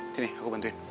sini aku bantuin